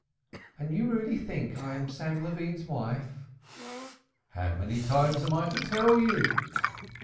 "And you really think I am Sam Levine's wife?" "How many times shall I tell you?